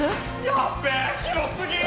やっべえ広すぎ！